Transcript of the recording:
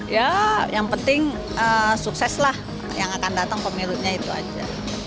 ya yang penting sukses lah yang akan datang pemilunya itu aja